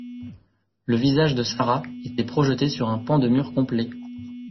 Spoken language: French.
Le visage de Sara était projeté sur un pan de mur complet.